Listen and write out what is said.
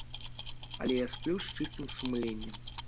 Але я сплю з чыстым сумленнем.